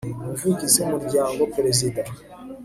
umuvugizi w umuryango perezida